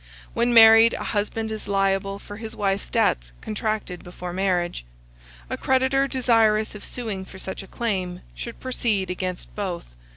When married, a husband is liable for his wife's debts contracted before marriage. A creditor desirous of suing for such a claim should proceed against both.